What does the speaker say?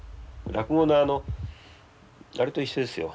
落語のあれと一緒ですよ。